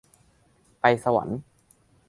ไปสวรรค์